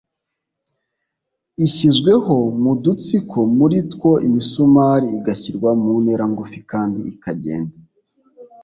Ishyizweho mu dutsiko muri two imisumari igashyirwa mu ntera ngufi kandi ikagenda